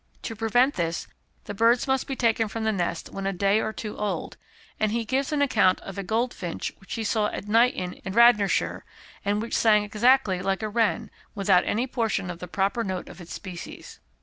To prevent this the birds must be taken from the nest when a day or two old, and he gives an account of a goldfinch which he saw at Knighton in Radnorshire, and which sang exactly like a wren, without any portion of the proper note of its species.